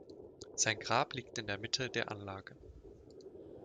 Sein Grab liegt in der Mitte der Anlage.